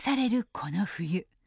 この冬。